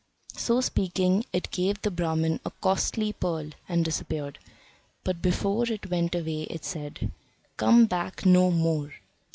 So speaking, it gave the Brahman a costly pearl and disappeared. But before it went away it said: "Come back no more."